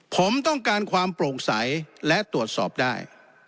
ผมต้องการความโปร่งใสและตรวจสอบได้